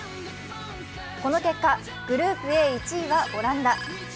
この結果、グループＡ、１位はオランダ。